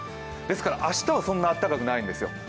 ですから、明日はそんなにあったかくないんですよ。